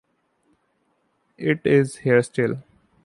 It is here still.